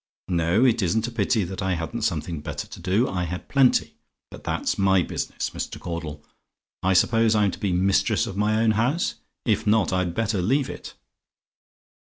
No: it isn't a pity that I hadn't something better to do; I had plenty: but that's my business, Mr. Caudle. I suppose I'm to be mistress of my own house? If not, I'd better leave it.